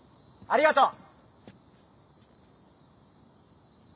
ありがとう！